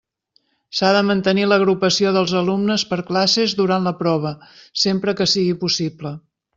S'ha de mantenir l'agrupació dels alumnes per classes durant la prova, sempre que sigui possible.